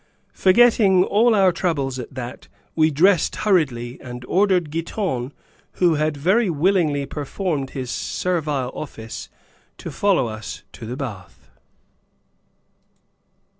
Forgetting all our troubles at that, we dressed hurriedly and ordered Giton, who had very willingly performed his servile office, to follow us to the bath.